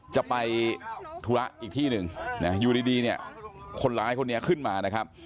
จะไปธุระอีกที่หนึ่งนะอยู่ดีเนี่ยคนร้ายคนนี้ขึ้นมานะครับ